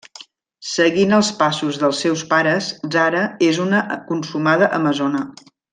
Seguint els passos dels seus pares, Zara és una consumada amazona.